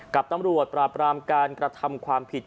กับตำรวจปราบรามการกระทำความผิด